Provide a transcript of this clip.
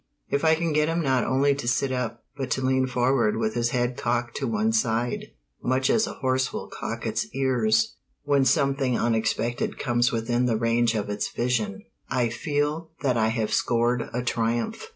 If I can get him not only to sit up but to lean forward with his head cocked to one side, much as a horse will cock its ears when something unexpected comes within the range of its vision, I feel that I have scored a triumph.